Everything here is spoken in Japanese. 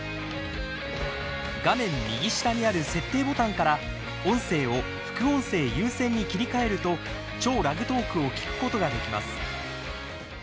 画面右下にある設定ボタンから音声を副音声優先に切り替えると「＃超ラグトーク」を聞くことができます。